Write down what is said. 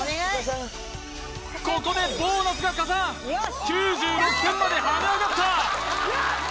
ここでボーナスが加算９６点まで跳ね上がった！